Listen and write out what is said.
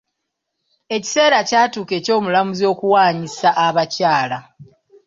Ekiseera kyatuuka eky'omulamuzi okuwanyisa abakyala.